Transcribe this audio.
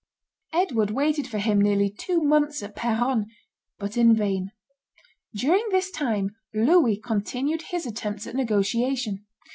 Edward waited for him nearly two months at Peronne, but in vain. During this time Louis continued his attempts at negotiation.